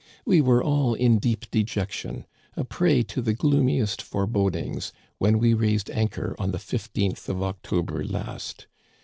" We were all in deep dejection, a prey to the gloomi est forebodings, when we raised anchor on the 15th of October last.